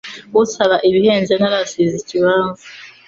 Usaba ibihenze ntarasiza ikibanza